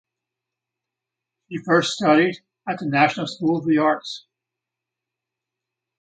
She first studied at The National School of the Arts.